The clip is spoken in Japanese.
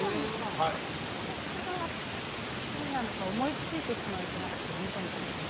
いたずらは好きなのか思いついてしまうとニコニコしちゃう。